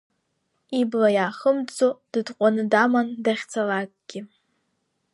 Ибла иаахымҵӡо дытҟәаны даман дахьцалакгьы.